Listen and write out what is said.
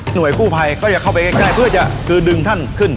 หน่วยกู้ไภก็จะเข้าไปใกล้เพื่อจะดึงท่านขึ้น